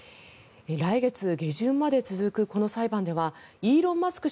来月下旬まで続くこの裁判ではイーロン・マスク